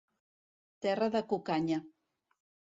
Terra de cucanya.